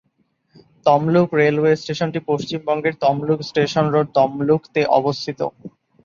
Tamluk railway স্টেশনটি পশ্চিমবঙ্গের Tamluk station road, Tamluk তে অবস্থিত।